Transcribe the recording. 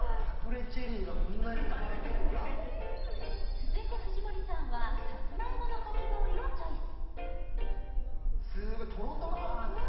続いて藤森さんは、さつまいものかき氷をチョイス。